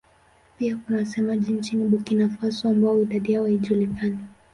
Pia kuna wasemaji nchini Burkina Faso ambao idadi yao haijulikani.